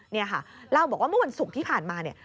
นี่ค่ะเล่าบอกว่าเมื่อวันศุกร์ที่ผ่านมาเนี่ย